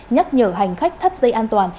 nhắc nhở hành khách thắt dây an toàn